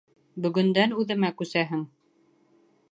Бөгөндән үҙемә күсәһең.